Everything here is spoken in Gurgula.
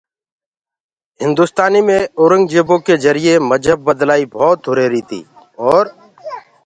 هندُستانيٚ مي اورنٚگجيبو ڪي جَريٚئيٚ مجهب بلآئي ڀوت هُريهريِٚ تيٚ اور